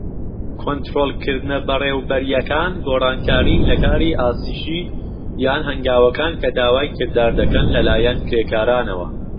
کۆنتڕۆڵکردنە بەڕێوبەریەکان گۆڕانکارین لە کاری ئاسیشی یان هەنگاوەکان کە داوای کردار دەکەن لەلایەن کرێکارانەوە.